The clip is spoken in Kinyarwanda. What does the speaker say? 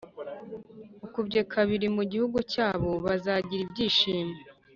ukubye kabiri a mu gihugu cyabo Bazagira ibyishimo